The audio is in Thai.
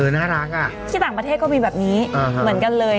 น่ารักอ่ะที่ต่างประเทศก็มีแบบนี้เหมือนกันเลย